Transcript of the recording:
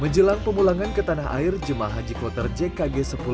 menjelang pemulangan ke tanah air jemaah haji kloter jkg sepuluh